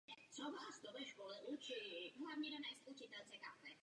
Výsledkem tohoto kongresu bylo mimo jiné i založení Světové sionistické organizace.